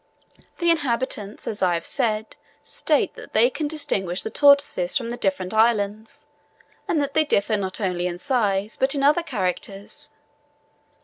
The inhabitants, as I have said, state that they can distinguish the tortoises from the different islands; and that they differ not only in size, but in other characters.